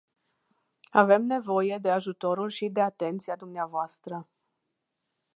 Avem nevoie de ajutorul și de atenția dvs.